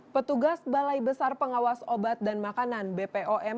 petugas balai besar pengawas obat dan makanan bpom